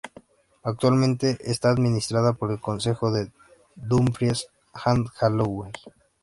Actualmente está administrada por el Concejo de Dumfries and Galloway.